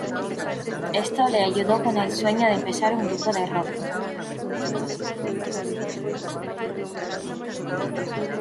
Esto le ayudó con el sueño de empezar un grupo de rock.